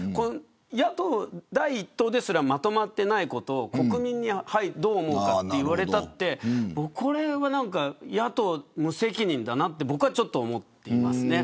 野党第１党ですらまとまっていないことを国民がどう思うかと言われたって野党、無責任だなと僕は思っていますね。